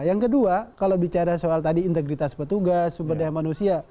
yang kedua kalau bicara soal tadi integritas petugas sumber daya manusia